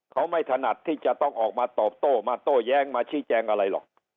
เขาไม่ถนัดที่จะต้องออกมาตอบโต้มาโต้แย้งมาชี้แจงอะไรหรอก